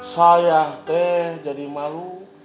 saya teh jadi malu